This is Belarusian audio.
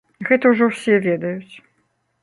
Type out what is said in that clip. Гэта ўжо ўсе ведаюць.